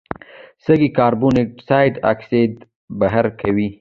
سږي کاربن ډای اکساید بهر کوي.